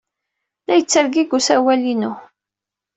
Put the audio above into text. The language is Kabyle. La yettergigi usawal-inu.